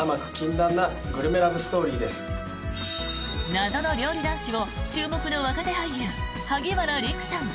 謎の料理男子を注目の若手俳優、萩原利久さん